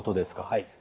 はい。